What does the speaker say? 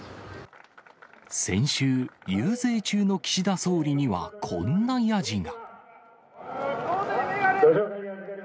先週、遊説中の岸田総理には、こんなやじが。